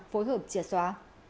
phối hợp chia xóa